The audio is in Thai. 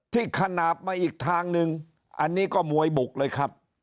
ขนาดมาอีกทางนึงอันนี้ก็มวยบุกเลยครับ